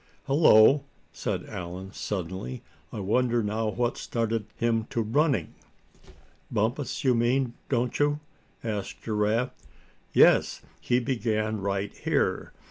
"Hello!" said Allan, suddenly, "I wonder now what started him to running?" "Bumpus, you mean, don't you?" asked Giraffe. "Yes, he began right here.